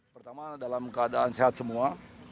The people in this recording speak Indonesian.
pertama dalam keadaan sehat semua